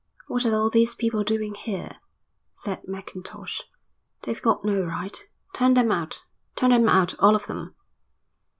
"What are all these people doing here?" said Mackintosh. "They've got no right. Turn them out, turn them out, all of them."